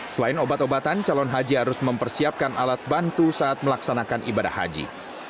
selain obat obatan calon haji harus mempersiapkan alat bantu saat melaksanakan ibadah haji